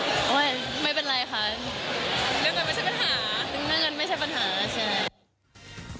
เรื่องเงินไม่ใช่ปัญหาเรื่องเงินไม่ใช่ปัญหาใช่ไหม